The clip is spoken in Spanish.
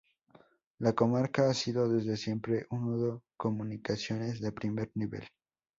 La comarca ha sido desde siempre un nudo comunicaciones de primer nivel.